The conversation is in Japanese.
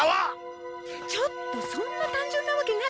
ちょっとそんな単純なわけない。